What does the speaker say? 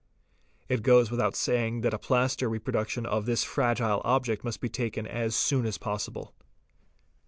It goes _ without saying that a plaster reproduction of this fragile object must be taken as soon as possible.